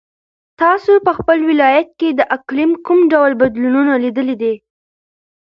تاسو په خپل ولایت کې د اقلیم کوم ډول بدلونونه لیدلي دي؟